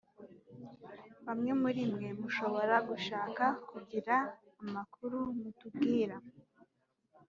Bamwe muri mwe mushobora gushaka kugira amakuru mutubwira